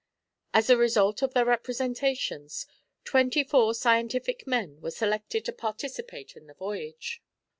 As a result of their representations, twenty four scientific men were selected to participate in the voyage.